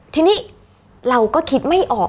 ทีนี้เราก็คิดไม่ออก